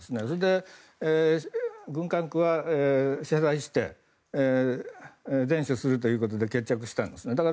それで軍管区は謝罪して善処するということで決着したんですね。